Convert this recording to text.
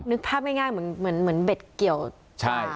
นึกภาพง่ายเหมือนเบ็ดเกี่ยวปลา